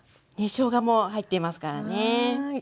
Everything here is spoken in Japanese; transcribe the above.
しょうがも入っていますからね。